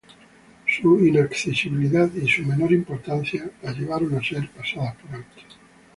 Su inaccesibilidad y su menor importancia las llevaron a ser pasadas por alto.